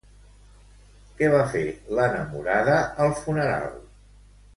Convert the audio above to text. Què va fer l'enamorada al funeral?